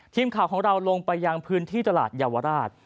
ทีมข่าวของเราลงไปยังพื้นที่ตลาดเยาวราช